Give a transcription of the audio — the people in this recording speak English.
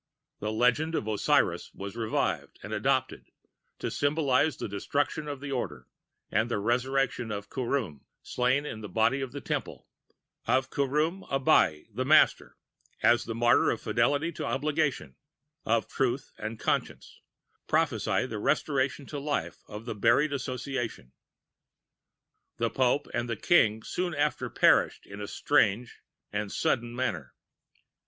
The legend of Osiris was revived and adopted, to symbolize the destruction of the Order, and the resurrection of Kh┼½r┼½m, slain in the body of the Temple, of KH┼¬R┼¬M ABAI, the Master, as the martyr of fidelity to obligation, of Truth and Conscience, prophesied the restoration to life of the buried association.] "The Pope and the King soon after perished in a strange and sudden manner.